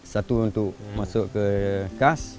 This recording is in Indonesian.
satu untuk masuk ke kas